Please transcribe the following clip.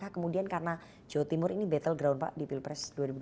kemudian karena jawa timur ini battle ground pak di pilpres dua ribu dua puluh